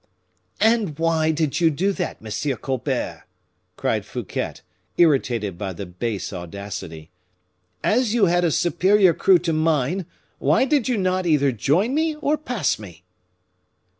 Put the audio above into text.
"And why did you do that, Monsieur Colbert?" cried Fouquet, irritated by the base audacity; "as you had a superior crew to mine, why did you not either join me or pass me?"